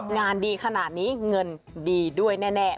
งานดีขนาดนี้เงินดีด้วยแน่